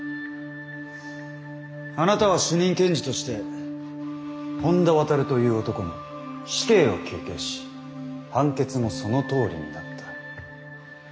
あなたは主任検事として本田亘という男に死刑を求刑し判決もそのとおりになった。